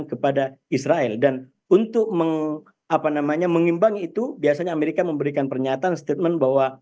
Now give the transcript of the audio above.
terus yang sudah kita sampaikan